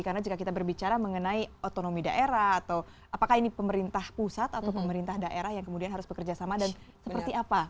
karena jika kita berbicara mengenai otonomi daerah atau apakah ini pemerintah pusat atau pemerintah daerah yang kemudian harus bekerja sama dan seperti apa